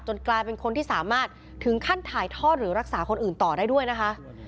กลายเป็นคนที่สามารถถึงขั้นถ่ายทอดหรือรักษาคนอื่นต่อได้ด้วยนะคะ